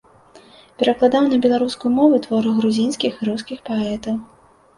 Перакладаў на беларускую мову творы грузінскіх і рускіх паэтаў.